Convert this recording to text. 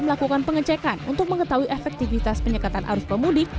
melakukan pengecekan untuk mengetahui efektivitas penyekatan arus pemudik